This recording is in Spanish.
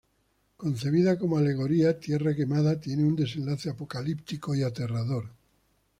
Concebida como alegoría, "Tierra quemada" tiene un desenlace apocalíptico y aterrador.